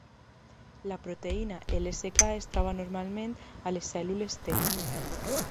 La proteïna lck es troba normalment a les cèl·lules T.